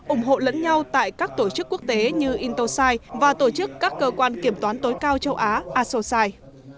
ủng hộ lẫn nhau tại các tổ chức quốc tế như intosai và tổ chức các cơ quan kiểm toán tối cao châu á asosai